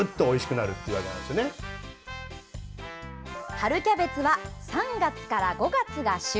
春キャベツは３月から５月が旬。